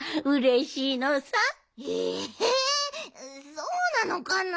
そうなのかな。